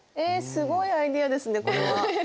すごいアイデアですねこれは。